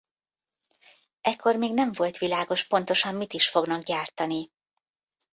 Ekkor még nem volt világos pontosan mit is fognak gyártani.